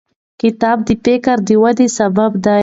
کتاب د فکر د ودې سبب دی.